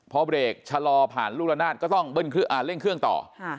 พอเบรกชะลอผ่านลูกละนาดก็ต้องเบิ้ลเครื่องอ่าเร่งเครื่องต่อค่ะ